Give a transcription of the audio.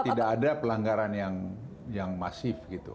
tidak ada pelanggaran yang masif gitu